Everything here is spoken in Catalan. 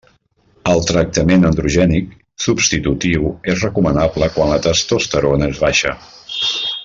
El tractament androgènic substitutiu és recomanable quan la testosterona és baixa.